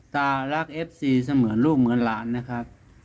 ตารักเอฟซีเสมือนลูกเหมือนหลานนะครับ